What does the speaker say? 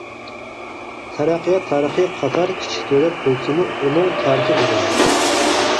تەرەققىيات تارىخى قاتار كىچىك دۆلەت بولسىمۇ، ئۇنىڭ تارىخى ئۇزۇن.